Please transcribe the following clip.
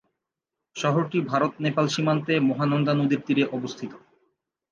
শহরটি ভারত- নেপাল সীমান্তে, মহানন্দা নদীর তীরে অবস্থিত।